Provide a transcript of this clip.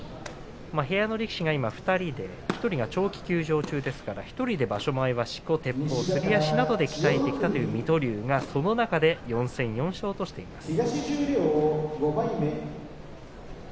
部屋の力士が今２人で１人が長期休場中ですから１人で場所前はしこてっぽうすり足などで鍛えてきたという水戸龍がその中で４戦４勝としています。